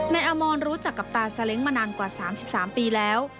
นายอามรรณ์รู้จักกับตาสาเล้งมานานกว่า๓๓ปีแล้ว